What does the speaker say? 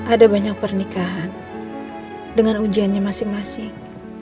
ada banyak pernikahan dengan ujiannya masing masing